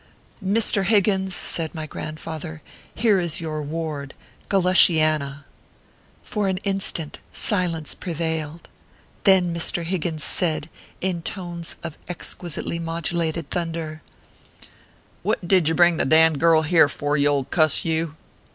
"Mr. Higgins/ said my grandfather, "here is your ward, Galushianna." For an instant silence prevailed. Then Mr. Higgins said, in tones of exquisitely modulated thunder :" What did you bring the d d girl here for, you old cuss you